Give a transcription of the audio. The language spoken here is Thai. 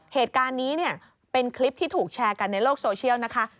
เหตุการณ์นี้เนี่ยเป็นคลิปที่ถูกแชร์กันในโลกโซเชียลนะคะ